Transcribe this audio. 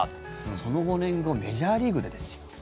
その５年後メジャーリーグでですよ。